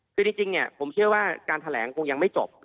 คือจริงเนี่ยผมเชื่อว่าการแถลงคงยังไม่จบ